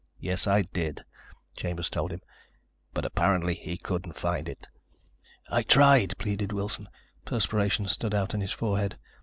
"Yes, I did," Chambers told him. "But apparently he couldn't find it." "I tried," pleaded Wilson. Perspiration stood out on his forehead.